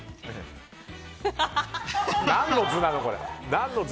何の図なの、これ。